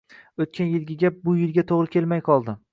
O’tgan yilgi gap bu yilga to‘g‘ri kelmay qoldi.